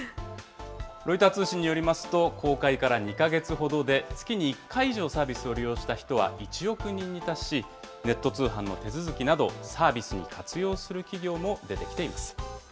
ロイター通信によりますと、公開から２か月ほどで、月に１回以上サービスを利用した人は１億人に達し、ネット通販の手続きなど、サービスに活用する企業も出てきています。